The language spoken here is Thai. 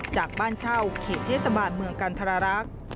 จากบ้านเช่าเขตเทศบาลเมืองกันทรรักษ์